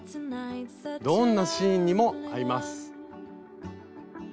どんなシーンにも合います。